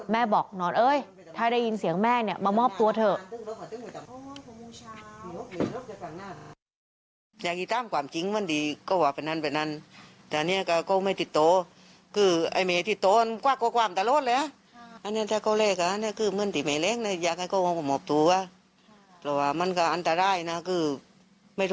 บอกนอนเอ้ยถ้าได้ยินเสียงแม่เนี่ยมามอบตัวเถอะ